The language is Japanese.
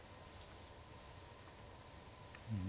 うん。